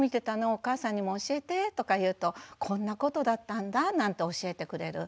お母さんにも教えて」とか言うとこんなことだったんだなんて教えてくれる。